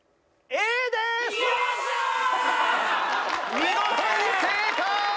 見事に正解！